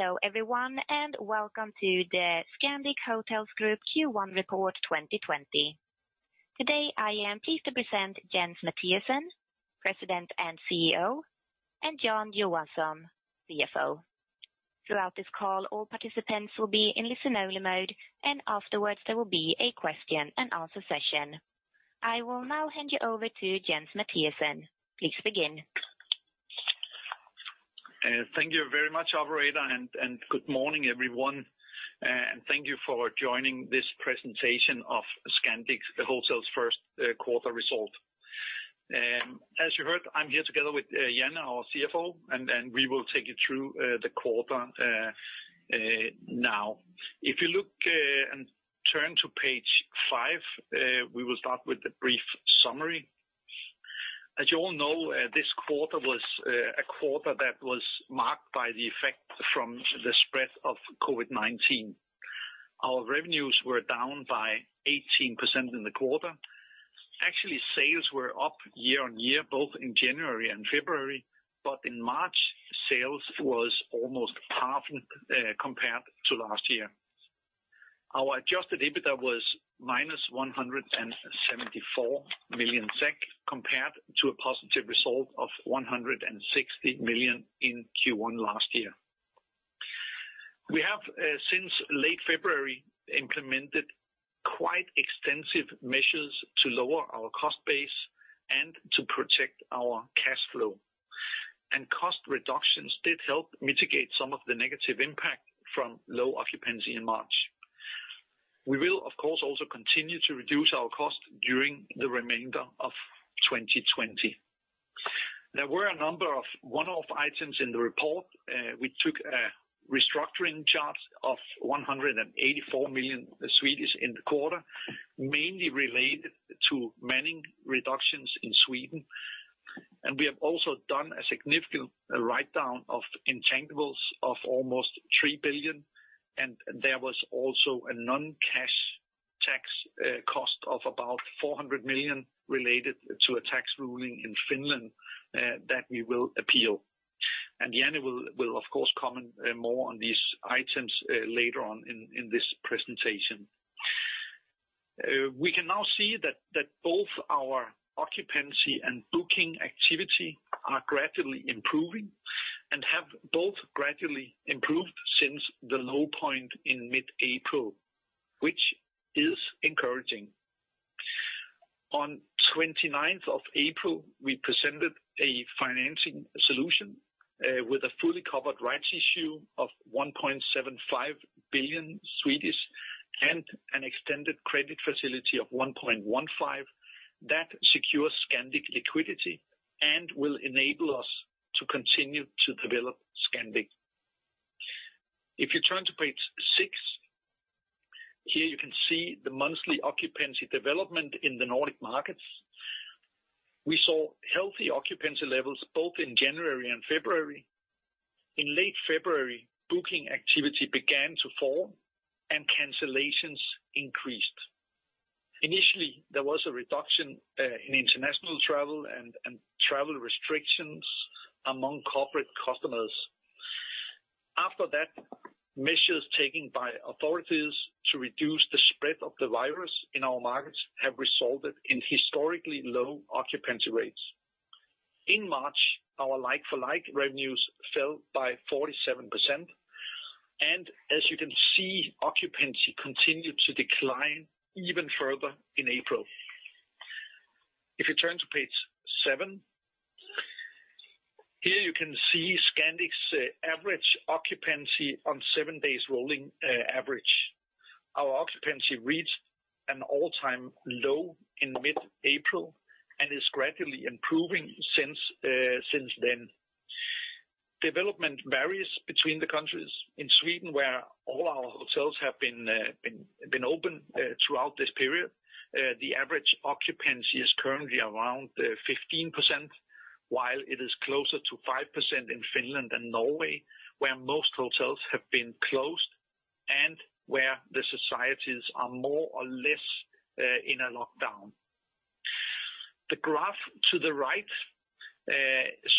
Hello everyone and welcome to the Scandic Hotels Group Q1 Report 2020. Today I am pleased to present Jens Mathiesen, President and CEO, and Jan Johansson, CFO. Throughout this call, all participants will be in listen-only mode, and afterwards there will be a question-and-answer session. I will now hand you over to Jens Mathiesen. Please begin. Thank you very much, Alvarada, and good morning everyone, and thank you for joining this presentation of Scandic Hotels' first quarter result. As you heard, I'm here together with Jan, our CFO, and we will take you through the quarter now. If you look and turn to page five, we will start with a brief summary. As you all know, this quarter was a quarter that was marked by the effect from the spread of COVID-19. Our revenues were down by 18% in the quarter. Actually, sales were up year on year, both in January and February, but in March, sales were almost half compared to last year. Our Adjusted EBITDA was -174 million SEK, compared to a positive result of 160 million in Q1 last year. We have, since late February, implemented quite extensive measures to lower our cost base and to protect our cash flow, and cost reductions did help mitigate some of the negative impact from low occupancy in March. We will, of course, also continue to reduce our costs during the remainder of 2020. There were a number of one-off items in the report. We took a restructuring charge of 184 million in the quarter, mainly related to manning reductions in Sweden, and we have also done a significant write-down of intangibles of almost three billion, and there was also a non-cash tax cost of about 400 million related to a tax ruling in Finland that we will appeal, and Jan will, of course, comment more on these items later on in this presentation. We can now see that both our occupancy and booking activity are gradually improving and have both gradually improved since the low point in mid-April, which is encouraging. On 29th of April, we presented a financing solution with a fully covered rights issue of 1.75 billion and an extended credit facility of 1.15 billion that secures Scandic liquidity and will enable us to continue to develop Scandic. If you turn to page six, here you can see the monthly occupancy development in the Nordic markets. We saw healthy occupancy levels both in January and February. In late February, booking activity began to fall and cancellations increased. Initially, there was a reduction in international travel and travel restrictions among corporate customers. After that, measures taken by authorities to reduce the spread of the virus in our markets have resulted in historically low occupancy rates. In March, our like-for-like revenues fell by 47%, and as you can see, occupancy continued to decline even further in April. If you turn to page seven, here you can see Scandic's average occupancy on seven-day rolling average. Our occupancy reached an all-time low in mid-April and is gradually improving since then. Development varies between the countries. In Sweden, where all our hotels have been open throughout this period, the average occupancy is currently around 15%, while it is closer to 5% in Finland and Norway, where most hotels have been closed and where the societies are more or less in a lockdown. The graph to the right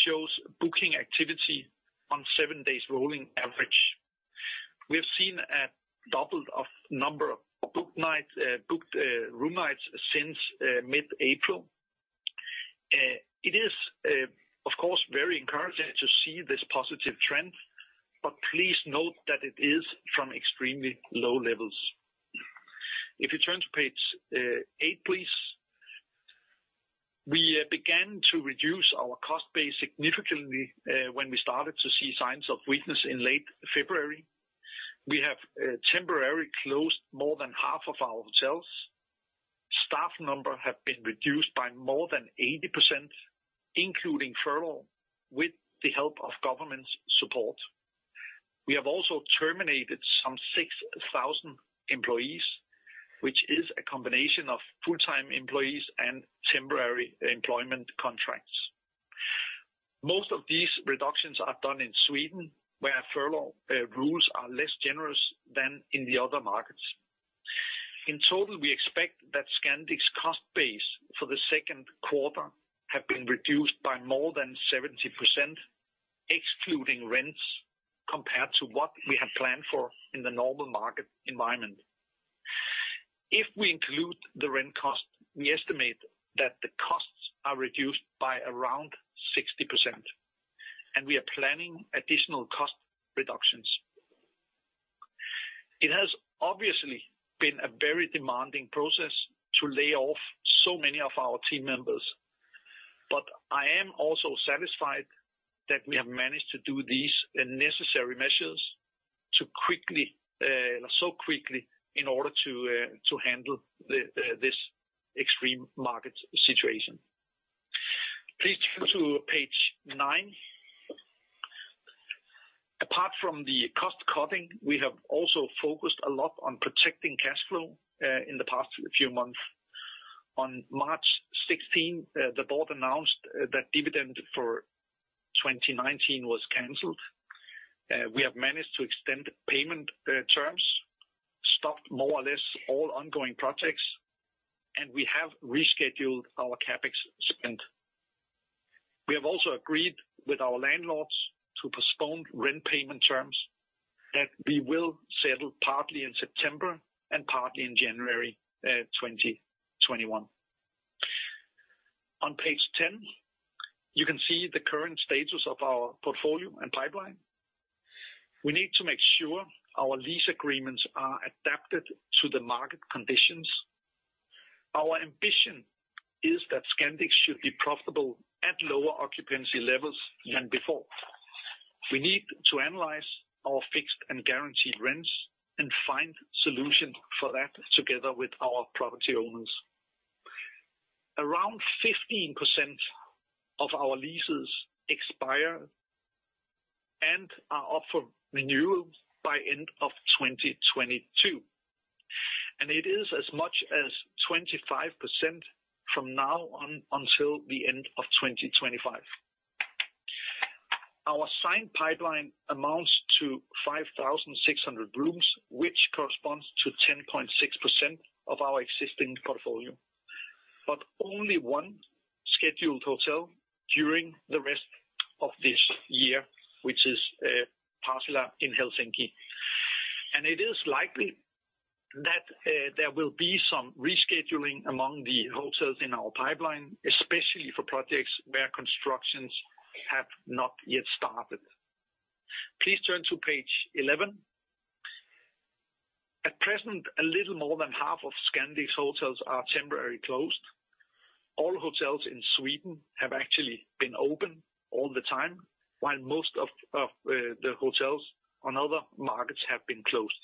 shows booking activity on seven-day rolling average. We have seen a doubled number of booked room nights since mid-April. It is, of course, very encouraging to see this positive trend, but please note that it is from extremely low levels. If you turn to page eight, please. We began to reduce our cost base significantly when we started to see signs of weakness in late February. We have temporarily closed more than half of our hotels. Staff numbers have been reduced by more than 80%, including furlough, with the help of government support. We have also terminated some 6,000 employees, which is a combination of full-time employees and temporary employment contracts. Most of these reductions are done in Sweden, where furlough rules are less generous than in the other markets. In total, we expect that Scandic's cost base for the second quarter has been reduced by more than 70%, excluding rents, compared to what we had planned for in the normal market environment. If we include the rent cost, we estimate that the costs are reduced by around 60%, and we are planning additional cost reductions. It has obviously been a very demanding process to lay off so many of our team members, but I am also satisfied that we have managed to do these necessary measures so quickly in order to handle this extreme market situation. Please turn to page nine. Apart from the cost cutting, we have also focused a lot on protecting cash flow in the past few months. On March 16, the board announced that dividend for 2019 was canceled. We have managed to extend payment terms, stopped more or less all ongoing projects, and we have rescheduled our CapEx spend. We have also agreed with our landlords to postpone rent payment terms that we will settle partly in September and partly in January 2021. On page ten, you can see the current status of our portfolio and pipeline. We need to make sure our lease agreements are adapted to the market conditions. Our ambition is that Scandic should be profitable at lower occupancy levels than before. We need to analyze our fixed and guaranteed rents and find solutions for that together with our property owners. Around 15% of our leases expire and are up for renewal by the end of 2022, and it is as much as 25% from now on until the end of 2025. Our signed pipeline amounts to 5,600 rooms, which corresponds to 10.6% of our existing portfolio, but only one scheduled hotel during the rest of this year, which is Pasila in Helsinki. It is likely that there will be some rescheduling among the hotels in our pipeline, especially for projects where constructions have not yet started. Please turn to page 11. At present, a little more than half of Scandic's hotels are temporarily closed. All hotels in Sweden have actually been open all the time, while most of the hotels on other markets have been closed.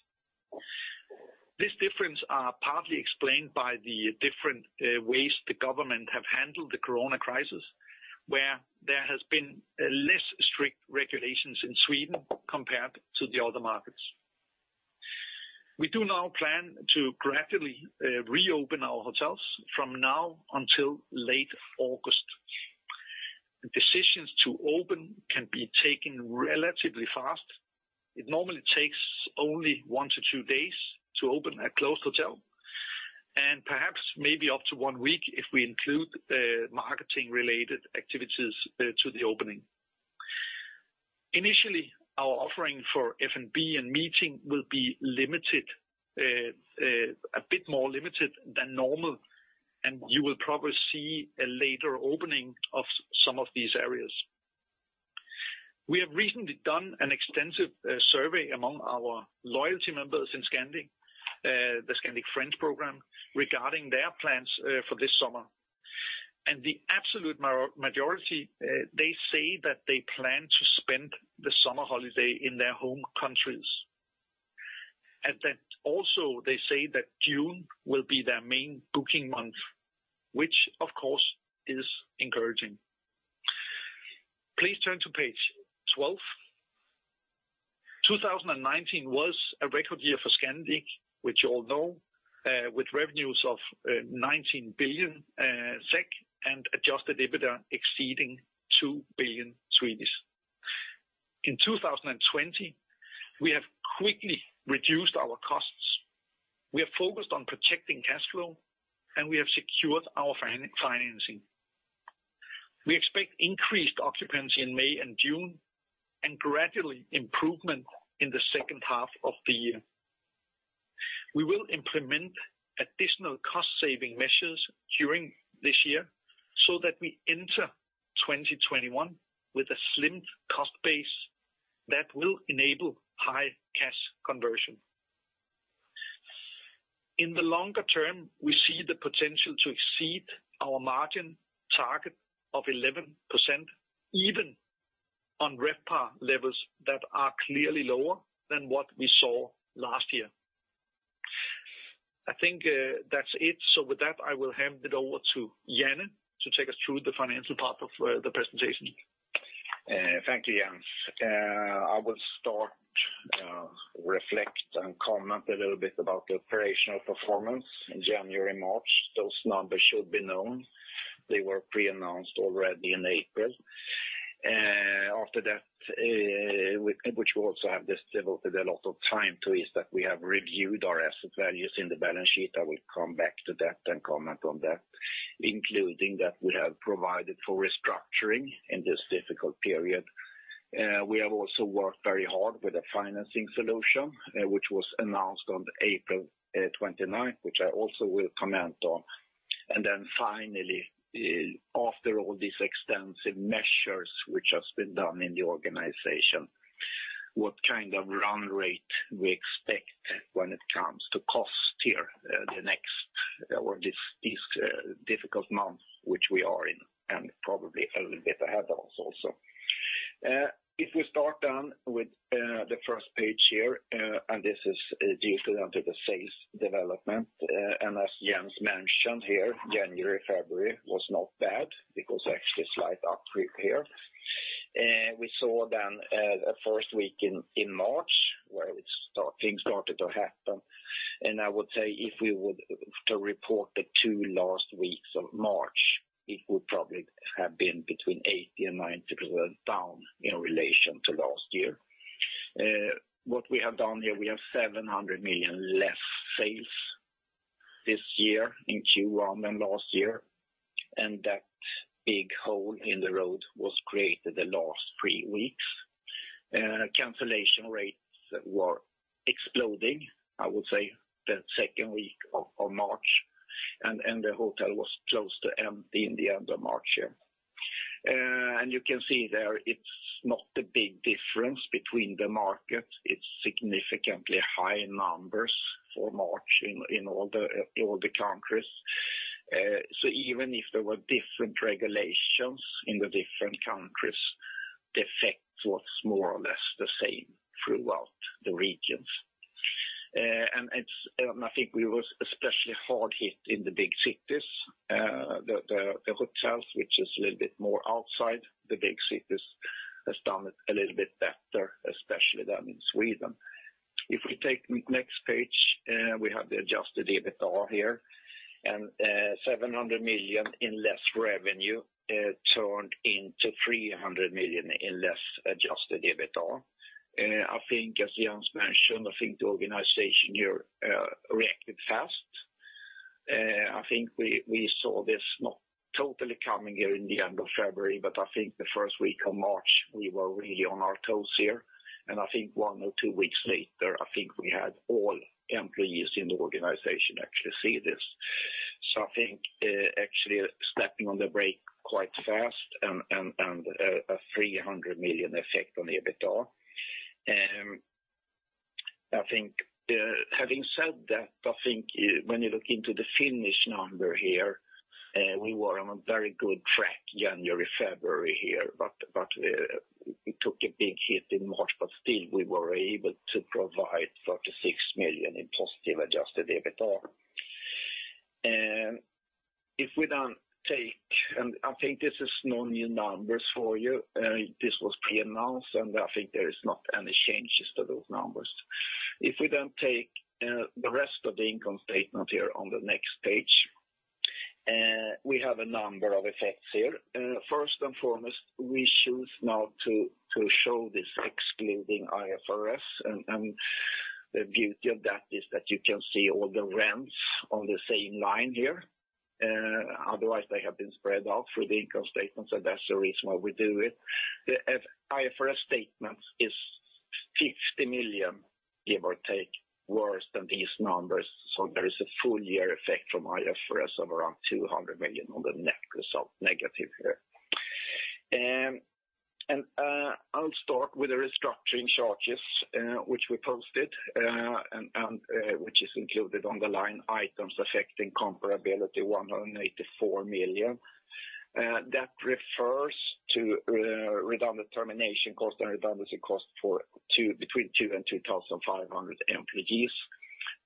This difference is partly explained by the different ways the government has handled the corona crisis, where there have been less strict regulations in Sweden compared to the other markets. We do now plan to gradually reopen our hotels from now until late August. Decisions to open can be taken relatively fast. It normally takes only one to two days to open a closed hotel, and perhaps maybe up to one week if we include marketing-related activities to the opening. Initially, our offering for F&B and meeting will be limited, a bit more limited than normal, and you will probably see a later opening of some of these areas. We have recently done an extensive survey among our loyalty members in Scandic, the Scandic Friends Program, regarding their plans for this summer, and the absolute majority, they say that they plan to spend the summer holiday in their home countries. And then also they say that June will be their main booking month, which, of course, is encouraging. Please turn to page 12. 2019 was a record year for Scandic, which you all know, with revenues of 19 billion SEK and Adjusted EBITDA exceeding 2 billion SEK. In 2020, we have quickly reduced our costs. We have focused on protecting cash flow, and we have secured our financing. We expect increased occupancy in May and June and gradually improvement in the second half of the year. We will implement additional cost-saving measures during this year so that we enter 2021 with a slimmed cost base that will enable high cash conversion. In the longer term, we see the potential to exceed our margin target of 11% even on RevPAR levels that are clearly lower than what we saw last year. I think that's it, so with that, I will hand it over to Jan to take us through the financial part of the presentation. Thank you, Jens. I will start, reflect, and comment a little bit about the operational performance in January and March. Those numbers should be known. They were pre-announced already in April. After that, which we also have devoted a lot of time to, is that we have reviewed our asset values in the balance sheet. I will come back to that and comment on that, including that we have provided for restructuring in this difficult period. We have also worked very hard with a financing solution, which was announced on April 29, which I also will comment on. And then finally, after all these extensive measures which have been done in the organization, what kind of run rate we expect when it comes to cost here the next or this difficult month, which we are in, and probably a little bit ahead of us also. If we start then with the first page here, and this is due to the sales development, and as Jens mentioned here, January, February was not bad because actually slight uptick here. We saw then the first week in March where things started to happen, and I would say if we were to report the two last weeks of March, it would probably have been between 80% and 90% down in relation to last year. What we have done here, we have 700 million less sales this year in Q1 than last year, and that big hole in the road was created the last three weeks. Cancellation rates were exploding, I would say, the second week of March, and the hotel was close to emptying the end of March here. You can see there it's not a big difference between the markets. It’s significantly high numbers for March in all the countries. So even if there were different regulations in the different countries, the effect was more or less the same throughout the regions, and I think we were especially hard hit in the big cities. The hotels, which is a little bit more outside the big cities, have done a little bit better, especially then in Sweden. If we take the next page, we have the Adjusted EBITDA here, and 700 million in less revenue turned into 300 million in less Adjusted EBITDA. I think, as Jens mentioned, I think the organization here reacted fast. I think we saw this not totally coming here in the end of February, but I think the first week of March we were really on our toes here, and I think one or two weeks later, I think we had all employees in the organization actually see this. So I think actually stepping on the brake quite fast and a 300 million effect on EBITDA. I think having said that, I think when you look into the final number here, we were on a very good track January-February here, but it took a big hit in March, but still we were able to provide 36 million in positive Adjusted EBITDA. If we then take, and I think this is no new numbers for you, this was pre-announced, and I think there are not any changes to those numbers. If we then take the rest of the income statement here on the next page, we have a number of effects here. First and foremost, we choose now to show this excluding IFRS, and the beauty of that is that you can see all the rents on the same line here. Otherwise, they have been spread out through the income statements, and that's the reason why we do it. The IFRS statement is 50 million, give or take, worse than these numbers, so there is a full year effect from IFRS of around 200 million on the net result negative here. And I'll start with the restructuring charges, which we posted, and which is included on the line items affecting comparability, 184 million. That refers to redundant termination cost and redundancy cost between two and 2,500 employees,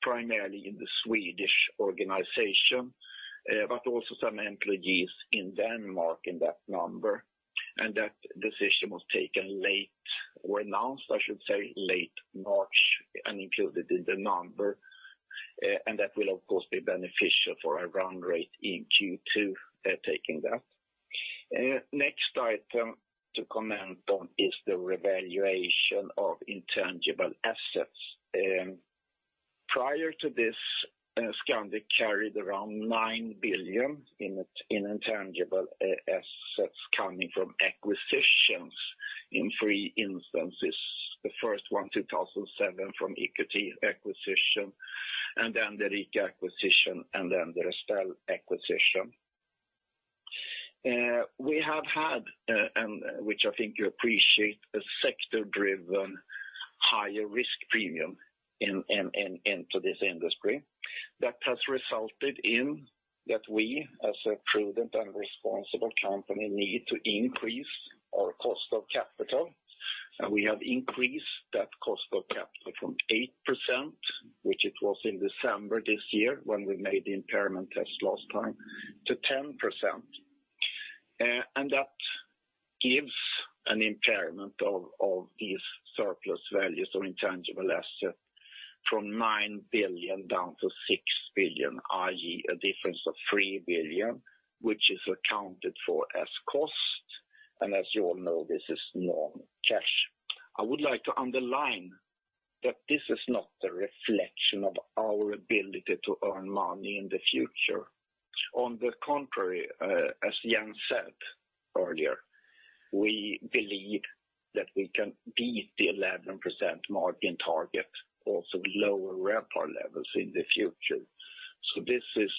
primarily in the Swedish organization, but also some employees in Denmark in that number. That decision was taken late or announced, I should say, late March and included in the number, and that will, of course, be beneficial for our run rate in Q2 taking that. Next item to comment on is the revaluation of intangible assets. Prior to this, Scandic carried around 9 billion in intangible assets coming from acquisitions in three instances. The first one 2007 from EQT acquisition, and then the Rica acquisition, and then the Restel acquisition. We have had, which I think you appreciate, a sector-driven higher risk premium into this industry. That has resulted in that we, as a prudent and responsible company, need to increase our cost of capital, and we have increased that cost of capital from 8%, which it was in December this year when we made the impairment test last time, to 10%. That gives an impairment of these surplus values of intangible assets from 9 billion down to 6 billion, i.e., a difference of 3 billion, which is accounted for as cost, and as you all know, this is non-cash. I would like to underline that this is not a reflection of our ability to earn money in the future. On the contrary, as Jens said earlier, we believe that we can beat the 11% margin target, also lower RevPAR levels in the future. This is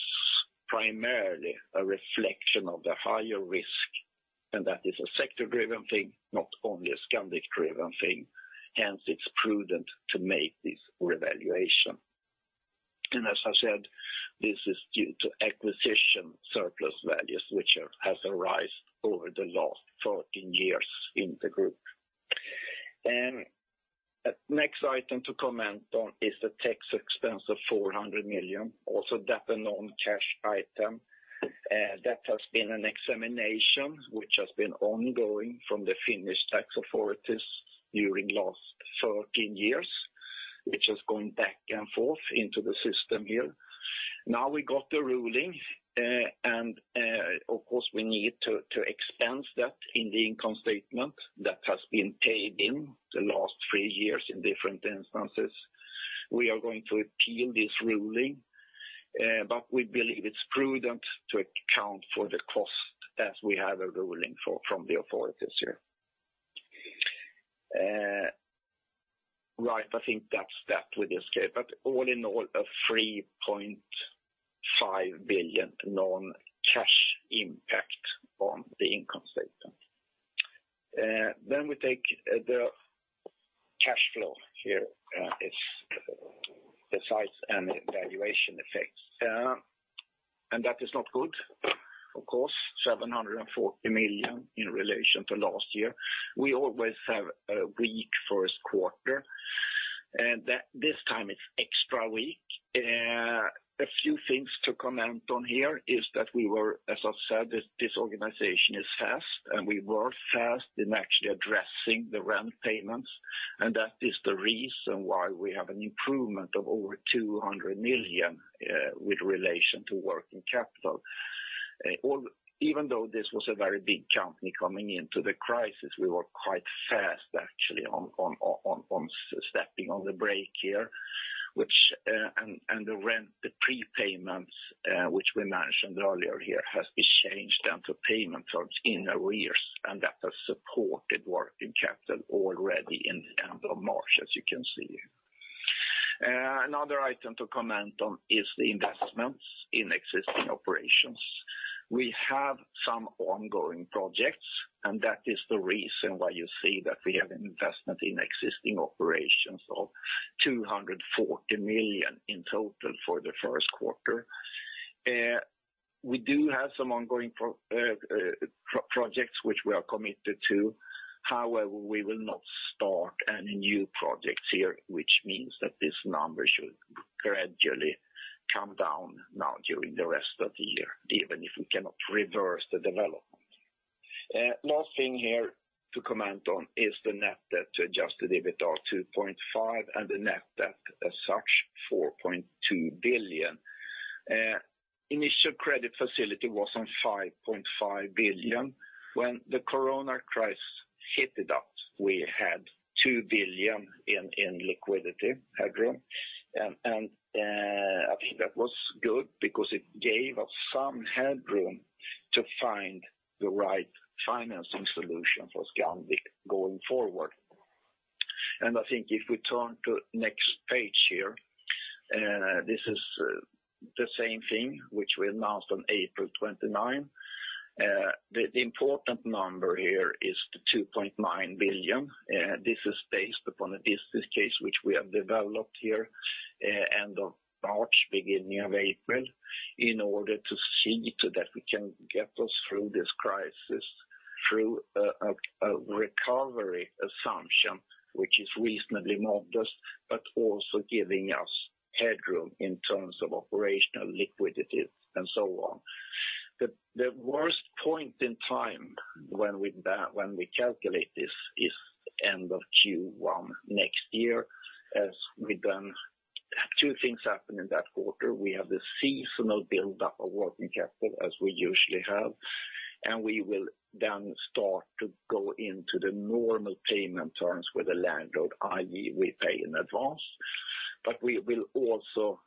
primarily a reflection of the higher risk, and that is a sector-driven thing, not only a Scandic-driven thing. Hence, it's prudent to make this revaluation, and as I said, this is due to acquisition surplus values, which have arisen over the last 13 years in the group. Next item to comment on is the tax expense of 400 million, also that's a non-cash item. That has been an examination which has been ongoing from the Finnish tax authorities during the last 13 years, which has gone back and forth into the system here. Now we got the ruling, and of course, we need to expense that in the income statement that has been paid in the last three years in different instances. We are going to appeal this ruling, but we believe it's prudent to account for the cost as we have a ruling from the authorities here. Right, I think that's that with. Okay, but all in all, a 3.5 billion non-cash impact on the income statement. Then we take the cash flow here, besides any valuation effects. And that is not good, of course, 740 million in relation to last year. We always have a weak first quarter, and this time it's extra weak. A few things to comment on here is that we were, as I said, this organization is fast, and we were fast in actually addressing the rent payments, and that is the reason why we have an improvement of over 200 million with relation to working capital. Even though this was a very big company coming into the crisis, we were quite fast actually on stepping on the brake here, which, and the rent, the prepayments, which we mentioned earlier here, has been changed then to payments in arrears, and that has supported working capital already in the end of March, as you can see here. Another item to comment on is the investments in existing operations. We have some ongoing projects, and that is the reason why you see that we have an investment in existing operations of 240 million in total for the first quarter. We do have some ongoing projects which we are committed to. However, we will not start any new projects here, which means that this number should gradually come down now during the rest of the year, even if we cannot reverse the development. Last thing here to comment on is the net debt to Adjusted EBITDA 2.5 and the net debt as such, 4.2 billion. Initial credit facility was on 5.5 billion. When the corona crisis hit it up, we had 2 billion in liquidity headroom, and I think that was good because it gave us some headroom to find the right financing solution for Scandic going forward. I think if we turn to the next page here, this is the same thing which we announced on April 29. The important number here is 2.9 billion. This is based upon a business case which we have developed here end of March, beginning of April, in order to see that we can get us through this crisis through a recovery assumption, which is reasonably modest, but also giving us headroom in terms of operational liquidity and so on. The worst point in time when we calculate this is end of Q1 next year, as we then have two things happen in that quarter. We have the seasonal buildup of working capital as we usually have, and we will then start to go into the normal payment terms with the landlord, i.e., we pay in advance. We will also,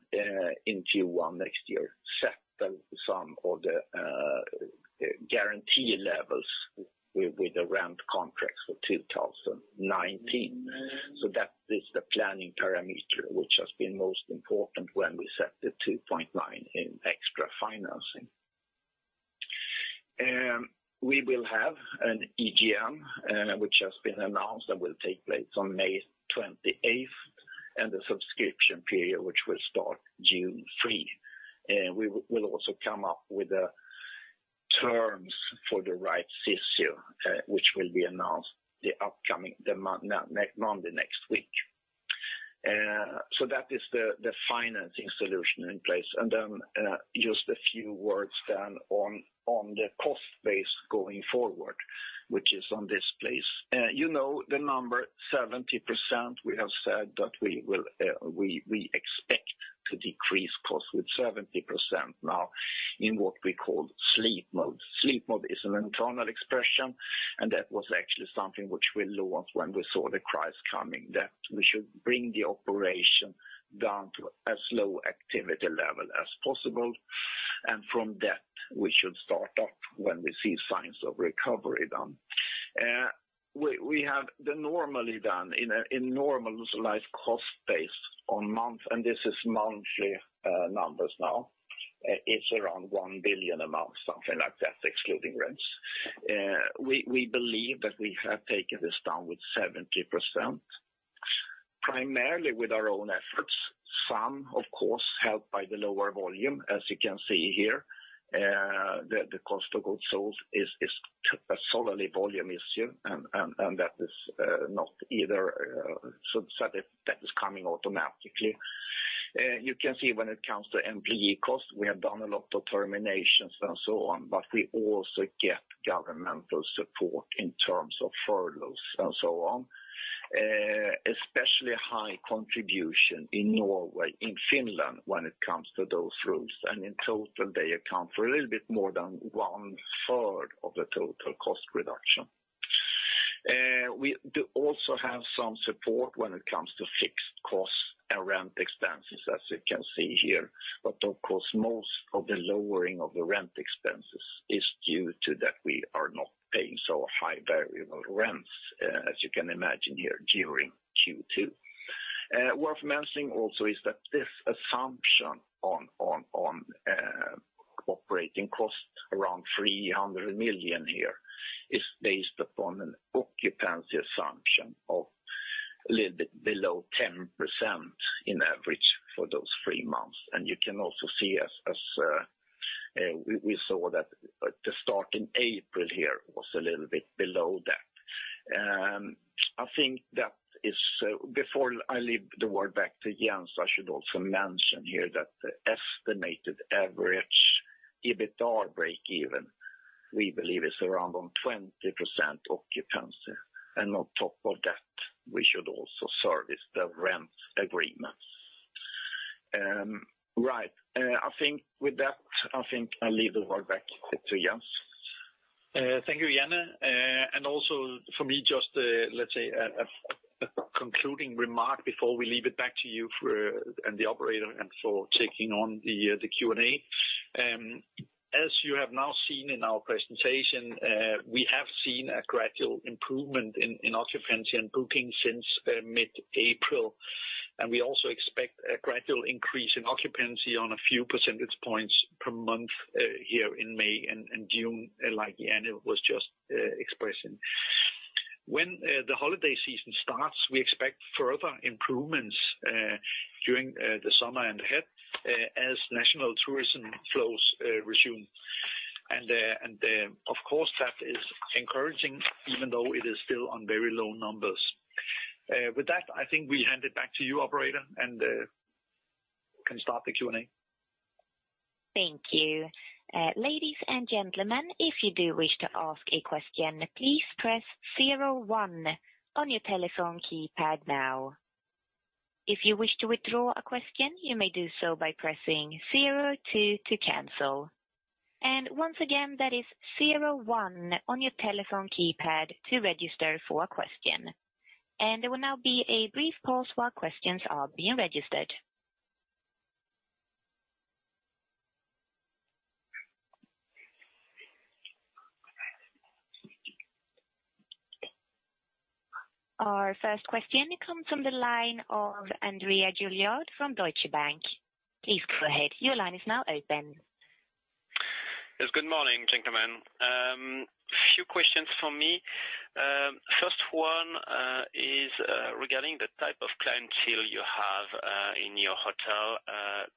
in Q1 next year, settle some of the guarantee levels with the rent contracts for 2019. So that is the planning parameter which has been most important when we set the 2.9 in extra financing. We will have an EGM, which has been announced and will take place on May 28, and the subscription period, which will start June 3. We will also come up with the terms for the rights issue, which will be announced the Monday next week. So that is the financing solution in place. And then just a few words then on the cost base going forward, which is on this place. You know the number 70%, we have said that we expect to decrease cost with 70% now in what we call sleep mode. Sleep mode is an internal expression, and that was actually something which we launched when we saw the crisis coming, that we should bring the operation down to as low activity level as possible, and from that, we should start up when we see signs of recovery done. We have the normally done in a normalized cost base on month, and this is monthly numbers now. It's around 1 billion a month, something like that, excluding rents. We believe that we have taken this down with 70%, primarily with our own efforts, some, of course, helped by the lower volume, as you can see here. The cost of goods sold is solely volume issue, and that is not either that is coming automatically. You can see when it comes to employee cost, we have done a lot of terminations and so on, but we also get governmental support in terms of furloughs and so on, especially high contribution in Norway, in Finland when it comes to those rules, and in total, they account for a little bit more than one third of the total cost reduction. We also have some support when it comes to fixed costs and rent expenses, as you can see here, but of course, most of the lowering of the rent expenses is due to that we are not paying so high variable rents, as you can imagine here, during Q2. Worth mentioning also is that this assumption on operating cost around 300 million here is based upon an occupancy assumption of a little bit below 10% in average for those three months, and you can also see as we saw that the start in April here was a little bit below that. I think that is, before I leave the word back to Jens, I should also mention here that the estimated average EBITDA break-even, we believe, is around 20% occupancy, and on top of that, we should also service the rent agreements. Right, I think with that, I think I'll leave the word back to Jens. Thank you, Jan. And also for me, just let's say a concluding remark before we leave it back to you and the operator and for taking on the Q&A. As you have now seen in our presentation, we have seen a gradual improvement in occupancy and booking since mid-April, and we also expect a gradual increase in occupancy on a few percentage points per month here in May and June, like Jan was just expressing. When the holiday season starts, we expect further improvements during the summer and ahead as national tourism flows resume, and of course, that is encouraging even though it is still on very low numbers. With that, I think we hand it back to you, operator, and can start the Q&A. Thank you. Ladies and gentlemen, if you do wish to ask a question, please press zero one on your telephone keypad now. If you wish to withdraw a question, you may do so by pressing zero two to cancel, and once again, that is zero one on your telephone keypad to register for a question. There will now be a brief pause while questions are being registered. Our first question comes from the line of André Juillard from Deutsche Bank. Please go ahead. Your line is now open. Yes, good morning, gentlemen. A few questions for me. First one is regarding the type of clientele you have in your hotel.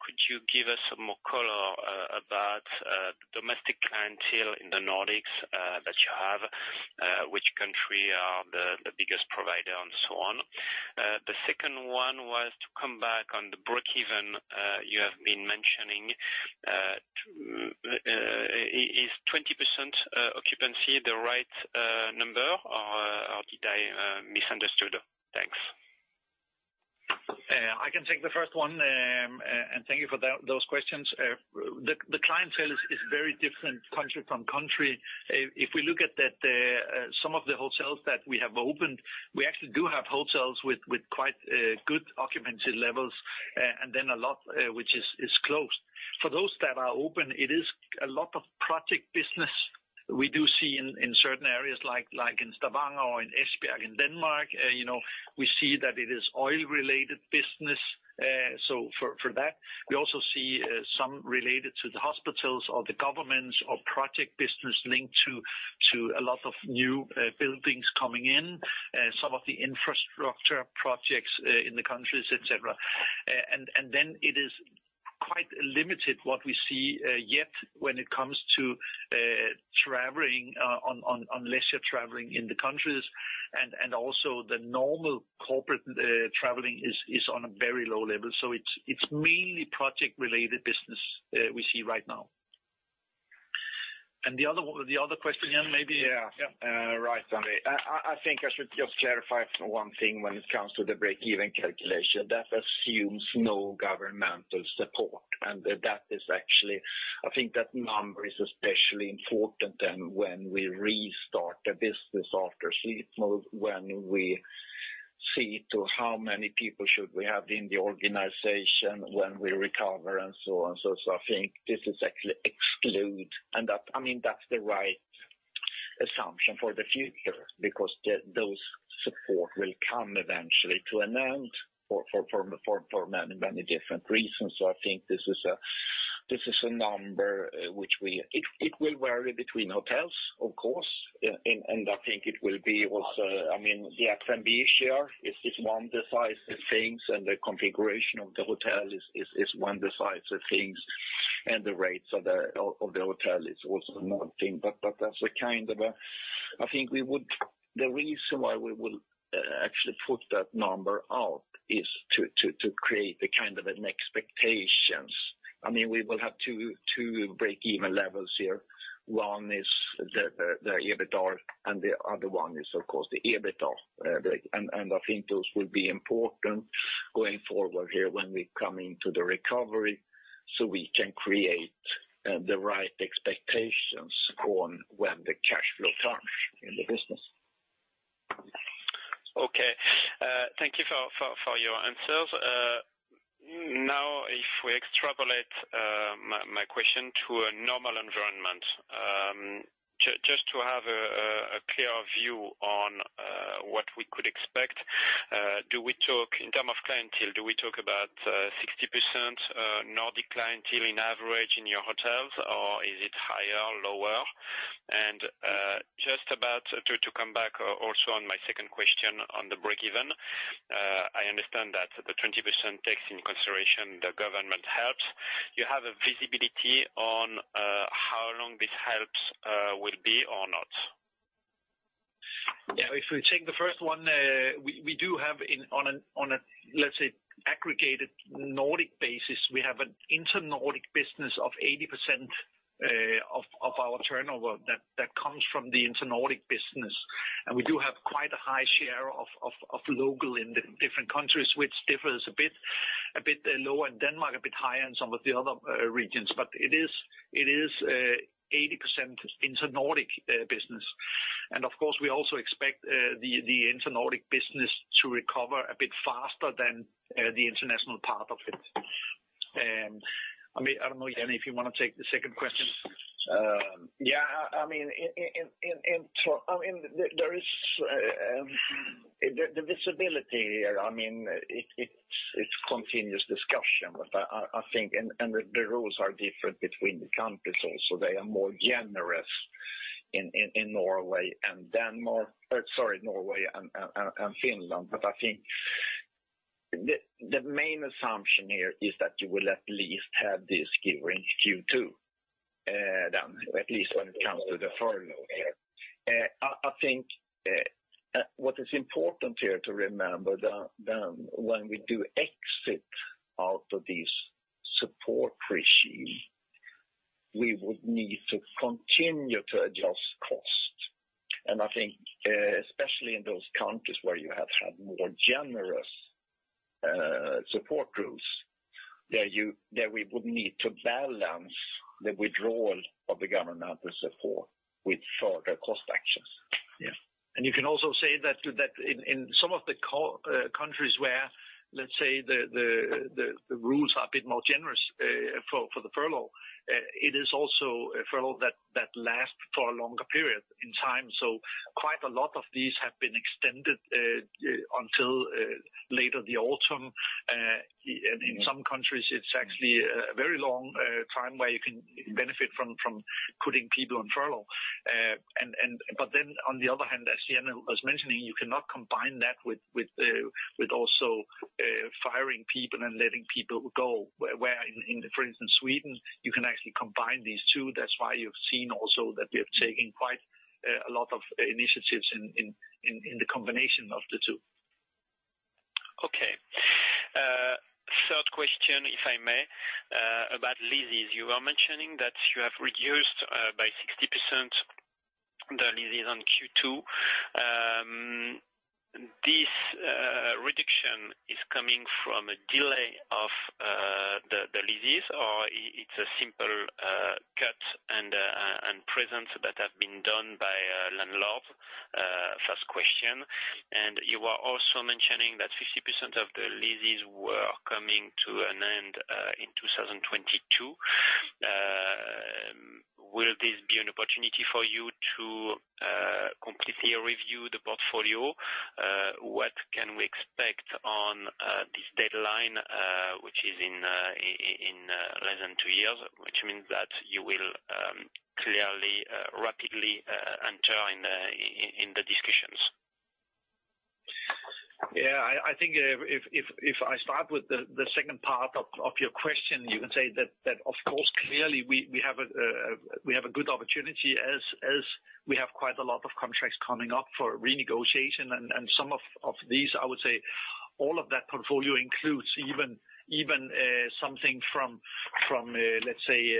Could you give us some more color about the domestic clientele in the Nordics that you have, which country are the biggest provider, and so on? The second one was to come back on the break-even you have been mentioning. Is 20% occupancy the right number, or did I misunderstand? Thanks. I can take the first one, and thank you for those questions. The clientele is very different country from country. If we look at some of the hotels that we have opened, we actually do have hotels with quite good occupancy levels, and then a lot which is closed. For those that are open, it is a lot of project business. We do see in certain areas like in Stavanger or in Esbjerg in Denmark, we see that it is oil-related business. So for that, we also see some related to the hospitals or the government or project business linked to a lot of new buildings coming in, some of the infrastructure projects in the countries, etc. And then it is quite limited what we see yet when it comes to traveling, unless you're traveling in the countries, and also the normal corporate traveling is on a very low level. So it's mainly project-related business we see right now. And the other question, Jan, maybe? Yeah. Right, Jens. I think I should just clarify one thing when it comes to the break-even calculation. That assumes no governmental support, and that is actually, I think that number is especially important then when we restart the business after sleep mode, when we see to how many people should we have in the organization when we recover and so on. So I think this is actually excludes, and I mean that's the right assumption for the future because those supports will come eventually to an end for many, many different reasons. So I think this is a number which it will vary between hotels, of course, and I think it will be also, I mean, the F&B share is one decisive thing, and the configuration of the hotel is one decisive thing, and the rates of the hotel is also one thing. But that's kind of. I think the reason why we will actually put that number out is to create a kind of an expectation. I mean, we will have two break-even levels here. One is the EBITDA, and the other one is, of course, the EBITDA. And I think those will be important going forward here when we come into the recovery so we can create the right expectations on when the cash flow turns in the business. Okay. Thank you for your answers. Now, if we extrapolate my question to a normal environment, just to have a clear view on what we could expect, do we talk in terms of clientele, do we talk about 60% Nordic clientele on average in your hotels, or is it higher, lower? Just about to come back also on my second question on the break-even, I understand that the 20% takes into consideration the government helps. Do you have a visibility on how long this helps will be or not? Yeah. If we take the first one, we do have on a, let's say, aggregated Nordic basis, we have an inter-Nordic business of 80% of our turnover that comes from the inter-Nordic business. And we do have quite a high share of local in the different countries, which differs a bit lower in Denmark, a bit higher in some of the other regions. But it is 80% inter-Nordic business. And of course, we also expect the inter-Nordic business to recover a bit faster than the international part of it. I mean, I don't know, Jan, if you want to take the second question. Yeah. I mean, in terms, I mean, there is the visibility here. I mean, it's continuous discussion, but I think, and the rules are different between the countries also. They are more generous in Norway and Denmark, sorry, Norway and Finland. But I think the main assumption here is that you will at least have this during Q2, then at least when it comes to the furlough here. I think what is important here to remember, then, when we do exit out of this support regime, we would need to continue to adjust cost. And I think, especially in those countries where you have had more generous support rules, that we would need to balance the withdrawal of the governmental support with further cost actions. Yeah. You can also say that in some of the countries where, let's say, the rules are a bit more generous for the furlough, it is also a furlough that lasts for a longer period in time. So quite a lot of these have been extended until later the autumn. And in some countries, it's actually a very long time where you can benefit from putting people on furlough. But then, on the other hand, as Janne was mentioning, you cannot combine that with also firing people and letting people go, where, for instance, Sweden, you can actually combine these two. That's why you've seen also that we have taken quite a lot of initiatives in the combination of the two. Okay. Third question, if I may, about leases. You were mentioning that you have reduced by 60% the leases on Q2. This reduction is coming from a delay of the leases, or it's a simple cut in rent that have been done by landlord? First question. You were also mentioning that 50% of the leases were coming to an end in 2022. Will this be an opportunity for you to completely review the portfolio? What can we expect on this deadline, which is in less than two years, which means that you will clearly, rapidly enter in the discussions? Yeah. I think if I start with the second part of your question, you can say that, of course, clearly, we have a good opportunity as we have quite a lot of contracts coming up for renegotiation. And some of these, I would say, all of that portfolio includes even something from, let's say,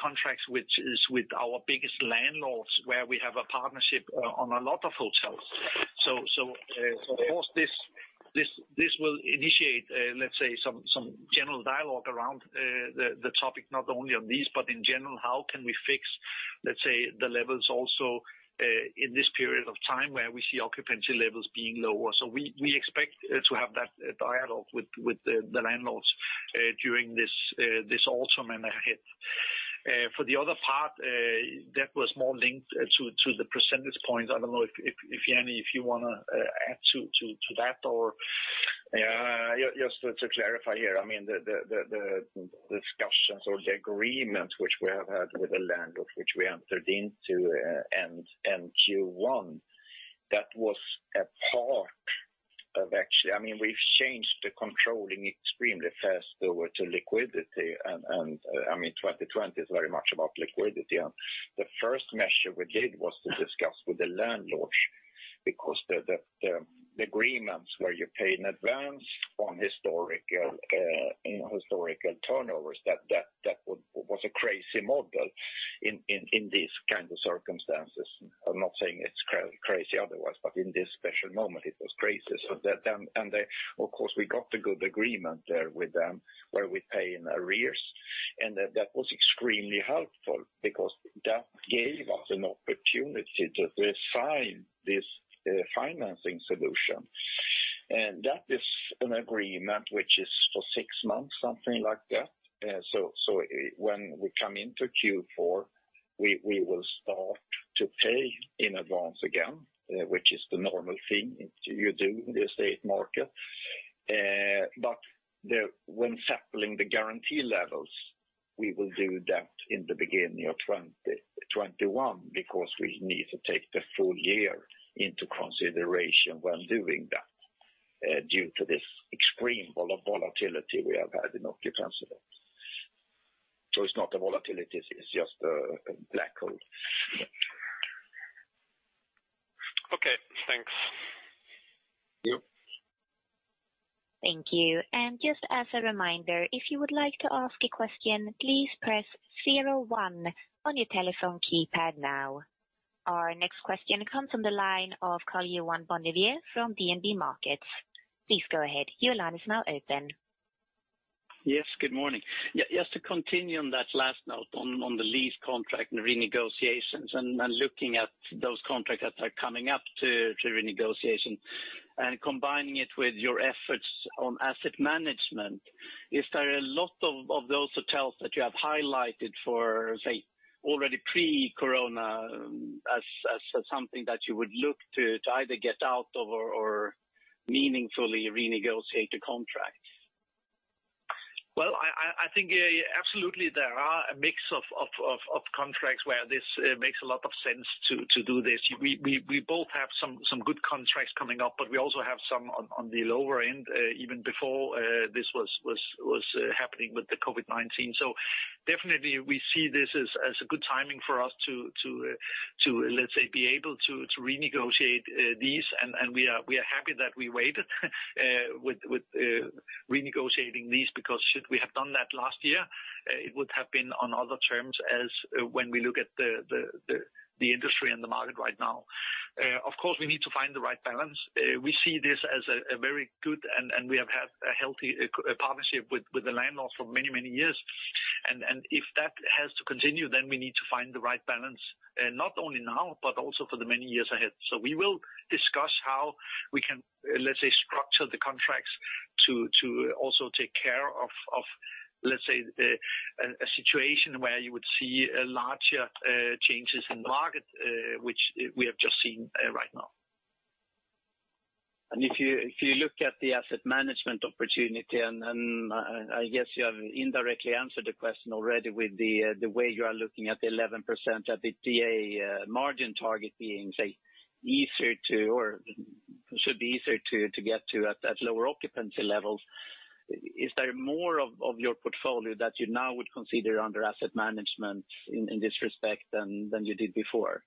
contracts which is with our biggest landlords where we have a partnership on a lot of hotels. So, of course, this will initiate, let's say, some general dialogue around the topic, not only on these, but in general, how can we fix, let's say, the levels also in this period of time where we see occupancy levels being lower. We expect to have that dialogue with the landlords during this autumn and ahead. For the other part, that was more linked to the percentage points. I don't know if, Jan, if you want to add to that or just to clarify here. I mean, the discussions or the agreement which we have had with the landlord which we entered into Q1, that was a part of actually. I mean, we've changed the controlling extremely fast over to liquidity. 2020 is very much about liquidity. The first measure we did was to discuss with the landlords because the agreements where you pay in advance on historical turnovers, that was a crazy model in these kinds of circumstances. I'm not saying it's crazy otherwise, but in this special moment, it was crazy. Of course, we got a good agreement there with them where we pay in arrears. That was extremely helpful because that gave us an opportunity to refine this financing solution. That is an agreement which is for six months, something like that. When we come into Q4, we will start to pay in advance again, which is the normal thing you do in the real estate market. But when settling the guarantee levels, we will do that in the beginning of 2021 because we need to take the full year into consideration when doing that due to this extreme volatility we have had in occupancy. So it's not a volatility. It's just a black hole. Okay. Thanks. Thank you. And just as a reminder, if you would like to ask a question, please press zero one on your telephone keypad now. Our next question comes from the line of Karl-Johan Bonnevier from DNB Markets. Please go ahead. Your line is now open. Yes. Good morning. Just to continue on that last note on the lease contract and renegotiations and looking at those contracts that are coming up to renegotiation and combining it with your efforts on asset management, is there a lot of those hotels that you have highlighted for, say, already pre-Corona as something that you would look to either get out of or meaningfully renegotiate the contract? Well, I think absolutely there are a mix of contracts where this makes a lot of sense to do this. We both have some good contracts coming up, but we also have some on the lower end even before this was happening with the COVID-19. So definitely, we see this as a good timing for us to, let's say, be able to renegotiate these. We are happy that we waited with renegotiating these because should we have done that last year, it would have been on other terms, as when we look at the industry and the market right now. Of course, we need to find the right balance. We see this as a very good, and we have had a healthy partnership with the landlords for many, many years. If that has to continue, then we need to find the right balance not only now, but also for the many years ahead. We will discuss how we can, let's say, structure the contracts to also take care of, let's say, a situation where you would see larger changes in the market, which we have just seen right now. If you look at the asset management opportunity, and I guess you have indirectly answered the question already with the way you are looking at the 11% EBITDA margin target being, say, easier to or should be easier to get to at lower occupancy levels, is there more of your portfolio that you now would consider under asset management in this respect than you did before?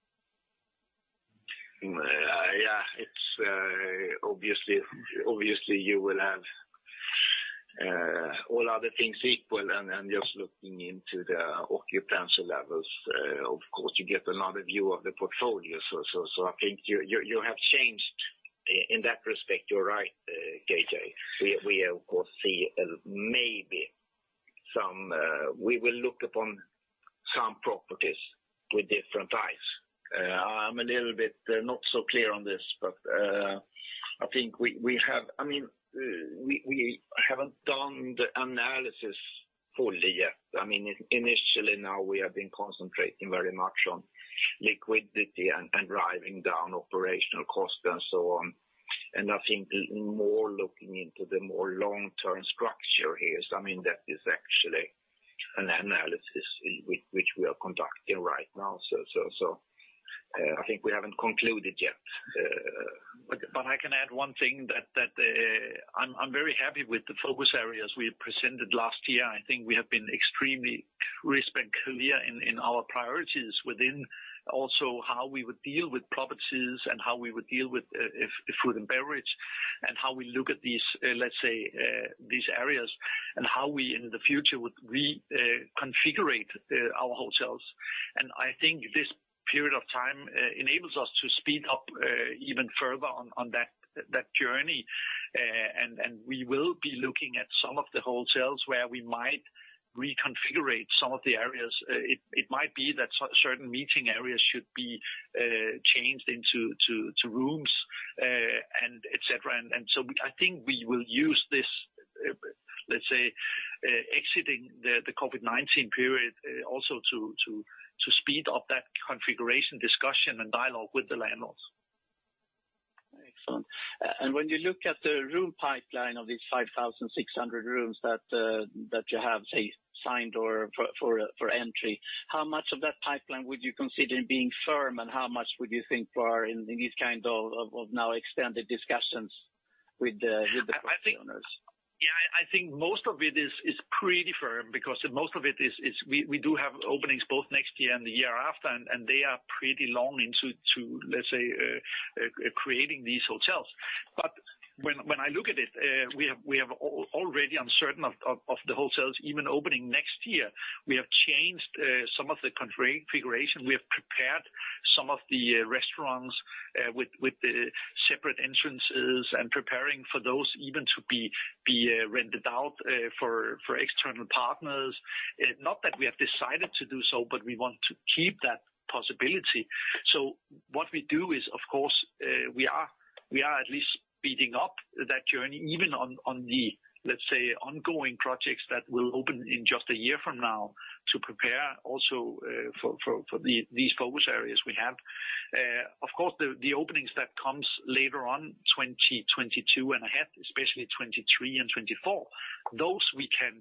Yeah. Obviously, you will have all other things equal. Just looking into the occupancy levels, of course, you get another view of the portfolio. I think you have changed in that respect. You're right, KJ. We, of course, see maybe some we will look upon some properties with different eyes. I'm a little bit not so clear on this, but I think we have I mean, we haven't done the analysis fully yet. I mean, initially, now we have been concentrating very much on liquidity and driving down operational cost and so on. And I think more looking into the more long-term structure here, I mean, that is actually an analysis which we are conducting right now. So I think we haven't concluded yet. But I can add one thing that I'm very happy with the focus areas we presented last year. I think we have been extremely crisp and clear in our priorities within also how we would deal with properties and how we would deal with food and beverage and how we look at these, let's say, these areas and how we in the future would reconfigure our hotels. And I think this period of time enables us to speed up even further on that journey. And we will be looking at some of the hotels where we might reconfigure some of the areas. It might be that certain meeting areas should be changed into rooms, etc. And so I think we will use this, let's say, exiting the COVID-19 period also to speed up that configuration discussion and dialogue with the landlords. Excellent. And when you look at the room pipeline of these 5,600 rooms that you have, say, signed for entry, how much of that pipeline would you consider being firm and how much would you think were in these kind of now extended discussions with the property owners? Yeah. I think most of it is pretty firm because most of it is we do have openings both next year and the year after, and they are pretty long into, let's say, creating these hotels. But when I look at it, we have already uncertain of the hotels even opening next year. We have changed some of the configuration. We have prepared some of the restaurants with the separate entrances and preparing for those even to be rented out for external partners. Not that we have decided to do so, but we want to keep that possibility. So what we do is, of course, we are at least speeding up that journey even on the, let's say, ongoing projects that will open in just a year from now to prepare also for these focus areas we have. Of course, the openings that come later on, 2022 and ahead, especially 2023 and 2024, those we can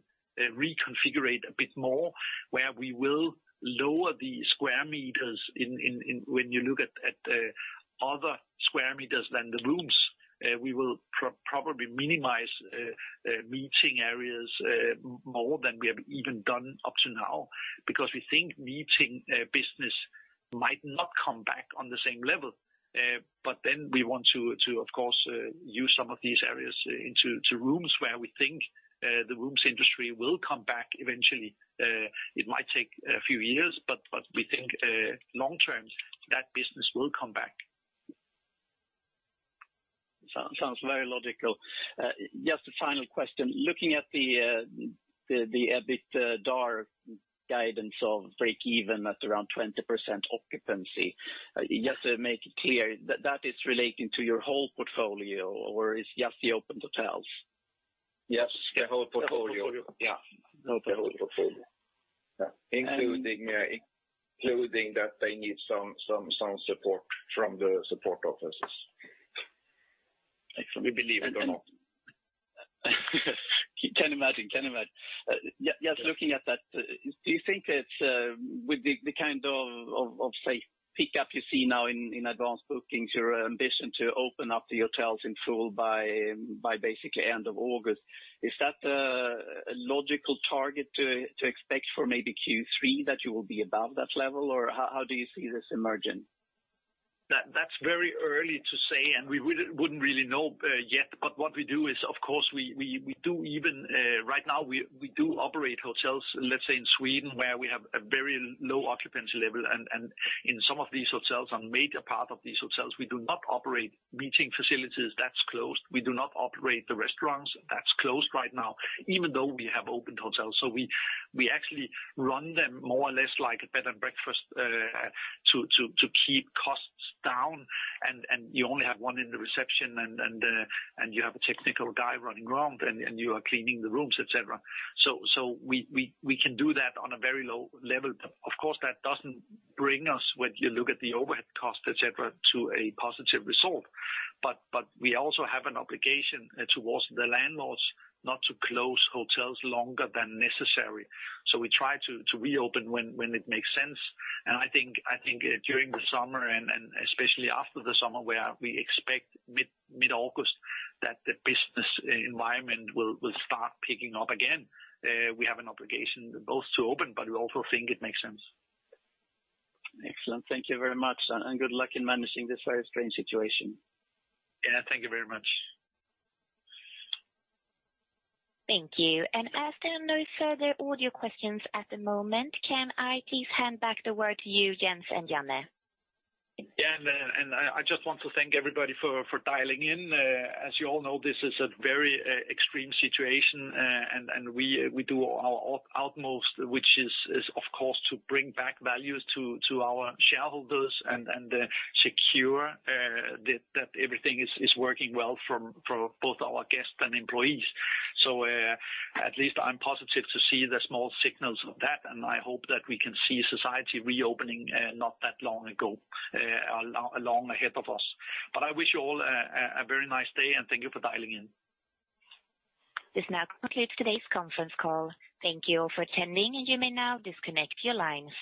reconfigure a bit more where we will lower the square meters when you look at other square meters than the rooms. We will probably minimize meeting areas more than we have even done up to now because we think meeting business might not come back on the same level. But then we want to, of course, use some of these areas into rooms where we think the rooms industry will come back eventually. It might take a few years, but we think long-term that business will come back. Sounds very logical. Just a final question. Looking at the a bit dark guidance of break-even at around 20% occupancy, just to make it clear, that is relating to your whole portfolio or it's just the open hotels? Yes. The whole portfolio. Yeah. The whole portfolio. Including that they need some support from the support offices. We believe it or not. Can't imagine. Can't imagine. Just looking at that, do you think it's with the kind of, say, pickup you see now in advance bookings, your ambition to open up the hotels in full by basically end of August, is that a logical target to expect for maybe Q3 that you will be above that level? Or how do you see this emerging? That's very early to say, and we wouldn't really know yet. But what we do is, of course, we do even right now, we do operate hotels, let's say, in Sweden where we have a very low occupancy level. And in some of these hotels, a major part of these hotels, we do not operate meeting facilities. That's closed. We do not operate the restaurants. That's closed right now, even though we have opened hotels. So we actually run them more or less like a bed and breakfast to keep costs down. You only have one in the reception, and you have a technical guy running around, and you are cleaning the rooms, etc. So we can do that on a very low level. Of course, that doesn't bring us, when you look at the overhead cost, etc., to a positive result. But we also have an obligation towards the landlords not to close hotels longer than necessary. So we try to reopen when it makes sense. And I think during the summer, and especially after the summer where we expect mid-August that the business environment will start picking up again, we have an obligation both to open, but we also think it makes sense. Excellent. Thank you very much. And good luck in managing this very strange situation. Yeah. Thank you very much. Thank you. As there are no further audio questions at the moment, can I please hand back the word to you, Jens and Jan? Yeah. I just want to thank everybody for dialing in. As you all know, this is a very extreme situation, and we do our utmost, which is, of course, to bring back values to our shareholders and secure that everything is working well for both our guests and employees. At least I'm positive to see the small signals of that, and I hope that we can see society reopening not that long ago, long ahead of us. I wish you all a very nice day, and thank you for dialing in. This now concludes today's conference call. Thank you all for attending, and you may now disconnect your lines.